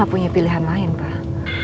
punya pilihan lain pak